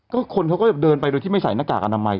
ก็คนเขาก็จะเดินไปโดยที่ไม่ใส่หน้ากากอนามัย